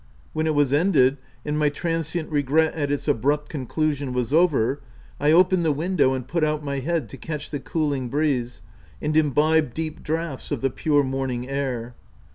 When it was ended, and my transient regret at its abrupt conclusion was over, I opened the window and put out my head to catch the cool ing breeze, and imbibe deep draughts of the pure morning air.